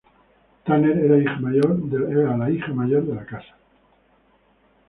Tanner, la hija mayor de la casa.